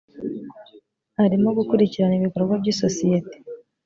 arimo gukurikirana ibikorwa by’isosiyete